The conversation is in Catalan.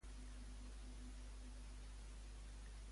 Per què es impossible desmuntar el de la plaça de l'Ajuntament?